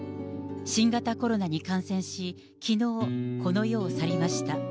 新型コロナに感染し、きのうこの世を去りました。